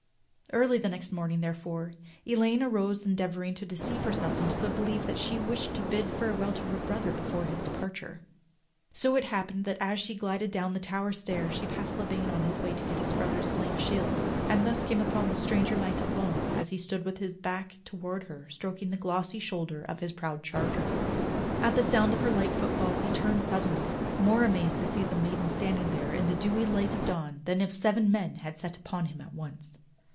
Early the next morning, therefore, Elaine arose en deavoring to deceive herself into the belief that she wished to bid farewell to her brother before his departure. So it happened that as she glided down the tower stairs she passed Lavaine on his way to get his brother's blank shield and thus came upon the stranger knight alone as he stood with his back toward her stroking the glossy shoulder of his proud charger. At the sound of her light footfalls he turned suddenly, more amazed to see the maiden standing there in the dewy light of dawn than if seven men had set upon him at once.